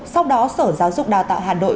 sau đó sở giáo dục đào tạo hà nội